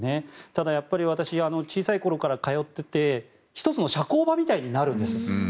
ただやっぱり、私小さい頃から通っていて１つの社交場みたいになるんです。